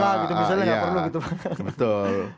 bisa gak perlu gitu pak